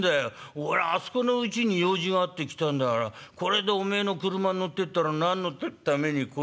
俺あそこのうちに用事があって来たんだからこれでおめえの俥乗ってったら何のためにここに来たか分からねんで」。